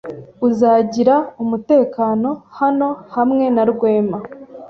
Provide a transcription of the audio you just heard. Uzagira umutekano hano hamwe na Rwema.